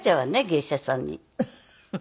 芸者さんに。